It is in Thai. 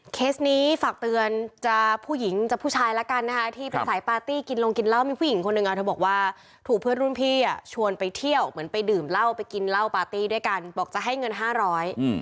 เคสนี้ฝากเตือนจะผู้หญิงจะผู้ชายแล้วกันนะคะที่เป็นสายปาร์ตี้กินลงกินเหล้ามีผู้หญิงคนหนึ่งอ่ะเธอบอกว่าถูกเพื่อนรุ่นพี่อ่ะชวนไปเที่ยวเหมือนไปดื่มเหล้าไปกินเหล้าปาร์ตี้ด้วยกันบอกจะให้เงินห้าร้อย